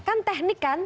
kan teknik kan